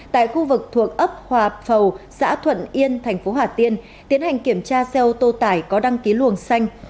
tại khu vực thuộc ấp hòa phầu xã thuận yên thành phố hà tiên tiến hành kiểm tra xe ô tô tải có đăng ký luồng xanh